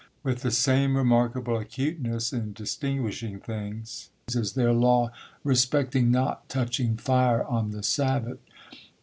With the same remarkable acuteness in distinguishing things, is their law respecting not touching fire on the Sabbath.